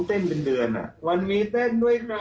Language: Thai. แต่มันแนวแปลกเนอะ